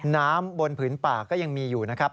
น้ำบนผืนป่าก็ยังมีอยู่นะครับ